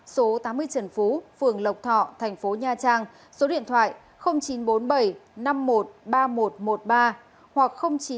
số tám mươi trần phú phường lộc thọ thành phố nha trang số điện thoại chín trăm bốn mươi bảy năm trăm một mươi ba nghìn một trăm một mươi ba hoặc chín trăm ba mươi năm tám trăm sáu mươi bảy nghìn sáu trăm bảy mươi sáu